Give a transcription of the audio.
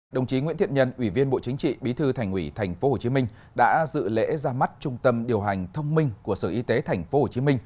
đồng chí nguyễn thiện nhân ủy viên bộ chính trị bí thư thành ủy tp hcm đã dự lễ ra mắt trung tâm điều hành thông minh của sở y tế tp hcm